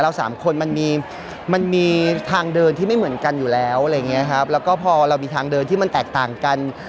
สามคนมันมีมันมีทางเดินที่ไม่เหมือนกันอยู่แล้วอะไรอย่างเงี้ยครับแล้วก็พอเรามีทางเดินที่มันแตกต่างกัน